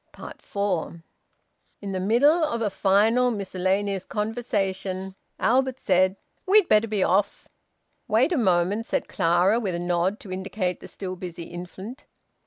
FOUR. In the middle of a final miscellaneous conversation, Albert said "We'll better be off." "Wait a moment," said Clara, with a nod to indicate the still busy infant.